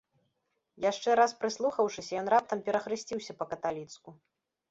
Яшчэ раз прыслухаўшыся, ён раптам перахрысціўся па-каталіцку.